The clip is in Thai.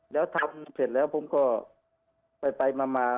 แล้วทำเสร็จแล้วผมก็ไปมา